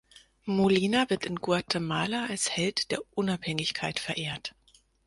Molina wird in Guatemala als Held der Unabhängigkeit verehrt.